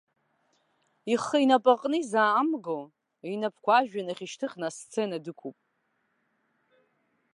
Ихы инапаҟны изаамго, инапқәа ажәҩан ахь ишьҭыхны, асцена дықәуп.